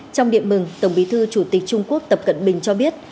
trong điện mừng tổng bí thư chủ tịch trung quốc tập cận bình cho biết